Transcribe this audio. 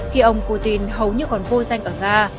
khi ông putin hầu như còn vô danh ở nga